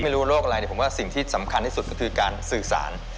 ไม่รู้โลกอะไรสิ่งที่สำคัญที่สุดก็คือการสื่อสาร